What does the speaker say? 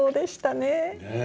ねえ。